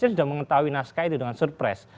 saya sudah mengetahui naskah itu dengan surprise